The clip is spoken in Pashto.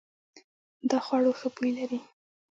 دا خوړو ښه بوی لري.